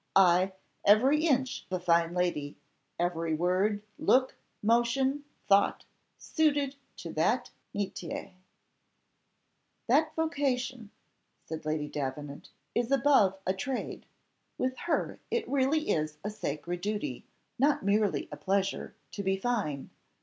Ay every inch a fine lady; every word, look, motion, thought, suited to that metier." "That vocation," said Lady Davenant; "it is above a trade; with her it really is a sacred duty, not merely a pleasure, to be fine.